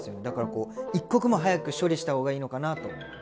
だからこう一刻も早く処理した方がいいのかなと。